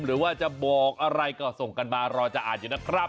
หรือว่าจะบอกอะไรก็ส่งกันมารอจะอ่านอยู่นะครับ